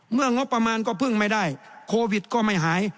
งบประมาณก็พึ่งไม่ได้โควิดก็ไม่หาย